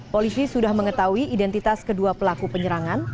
polisi sudah mengetahui identitas kedua pelaku penyerangan